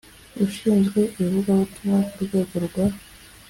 ushinzwe ivugabutumwa ku rwego rwa